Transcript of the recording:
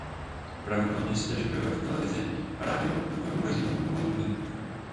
Pravidelně se též objevuje v televizi a rádiu a publikuje v magazínu Building.